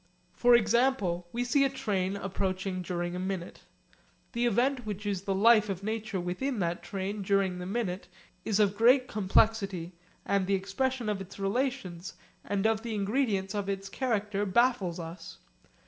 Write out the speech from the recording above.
For example, we see a train approaching during a minute. The event which is the life of nature within that train during the minute is of great complexity and the expression of its relations and of the ingredients of its character baffles us.